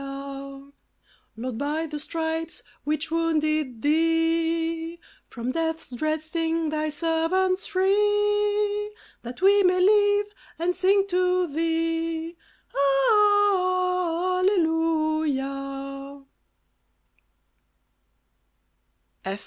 105 Lord, by the stripes which wounded Thee, From death's dread sting Thy servants free, That we may live and sing to Thee, Hallelujah ! F.